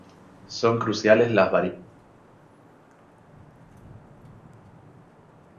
Son cruciales las variables de tamaño, tiempo, forma de entrega y contenido.